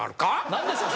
何ですか？